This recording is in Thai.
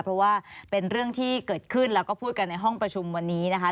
เพราะว่าเป็นเรื่องที่เกิดขึ้นแล้วก็พูดกันในห้องประชุมวันนี้นะคะ